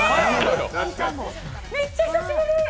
めっちゃ久しぶり！